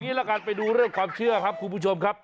ละกันไปดูเรื่องความเชื่อครับคุณผู้ชมครับ